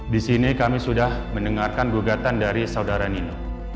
disini kami sudah mendengarkan gugatan dari saudara nino